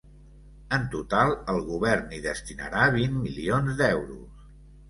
En total, el govern hi destinarà vint milions d’euros.